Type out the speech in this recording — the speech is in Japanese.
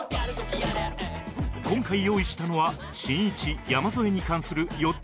今回用意したのはしんいち山添に関する４つずつのタレコミ